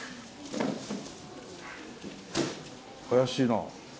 怪しいな。